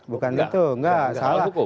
bukan itu salah